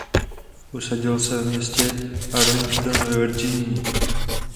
Usadil se ve městě Arlington ve Virginii.